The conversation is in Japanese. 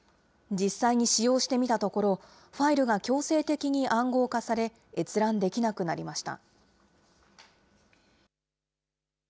実際に使用してみたところ、ファイルが強制的に暗号化され、閲覧できなくなりました。